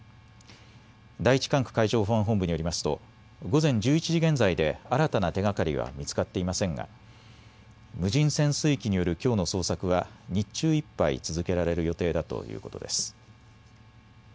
第１管区海上保安本部によりますと午前１１時現在で新たな手がかりは見つかっていませんが無人潜水機によるきょうの捜索は日中いっぱい続けられる予定だということです。